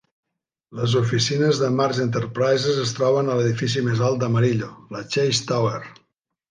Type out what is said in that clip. Les oficines de Marsh Enterprises es troben a l'edifici més alt d'Amarillo, la Chase Tower.